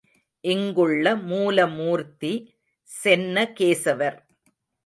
இங்குள்ள மூல மூர்த்தி சென்ன கேசவர்.